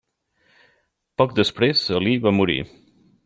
Poc després Alí va morir.